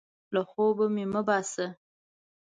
له خوبه مې مه باسه!